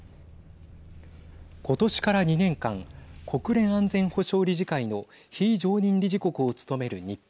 今年から２年間国連安全保障理事会の非常任理事国を務める日本。